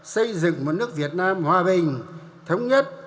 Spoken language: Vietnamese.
xây dựng một nước việt nam hòa bình thống nhất